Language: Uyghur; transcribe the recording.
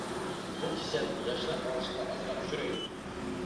بۇ كېسەل ياشلار ئارىسىدا ئازراق ئۇچرايدۇ.